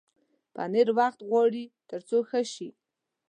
پنېر وخت غواړي تر څو ښه شي.